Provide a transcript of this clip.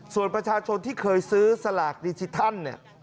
ส่วนประชาชนที่เคยซื้อสลากดิจิทัล